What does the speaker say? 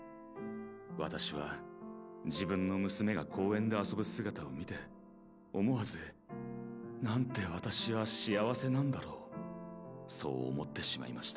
わたしは自分の娘が公園で遊ぶ姿を見て思わず「なんてわたしは幸せなんだろう」そう思ってしまいました。